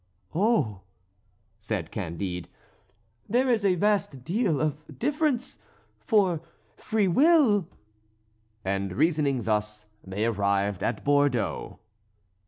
"Oh!" said Candide, "there is a vast deal of difference, for free will " And reasoning thus they arrived at Bordeaux.